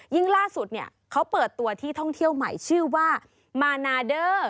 ล่าสุดเนี่ยเขาเปิดตัวที่ท่องเที่ยวใหม่ชื่อว่ามานาเดอร์